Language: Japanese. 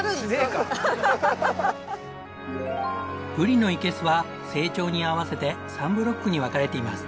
ブリの生け簀は成長に合わせて３ブロックに分かれています。